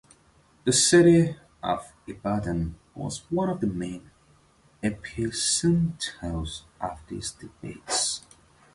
The city of Ibadan was one of the main epicenters of these debates.